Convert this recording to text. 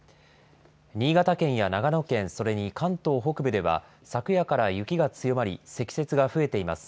新潟県や長野県、それに関東北部では、昨夜から雪が強まり積雪が増えています。